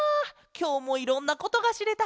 きょうもいろんなことがしれた。